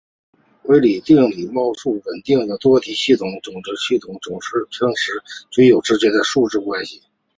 维里定理是描述稳定的多自由度体系的总动能和体系的总势能时间平均之间的数学关系。